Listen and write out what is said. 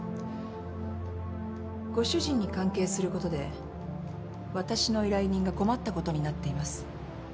ご主人に関係することでわたしの依頼人が困ったことになっています。